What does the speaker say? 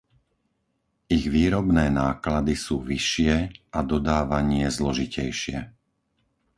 Ich výrobné náklady sú vyššie a dodávanie zložitejšie.